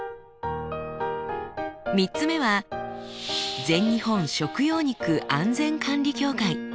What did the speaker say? ３つ目は「全日本食用肉安全管理協会」。